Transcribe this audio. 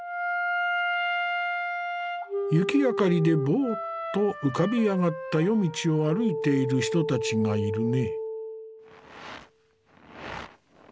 雪明かりでぼうっと浮かび上がった夜道を歩いている人たちがいるね。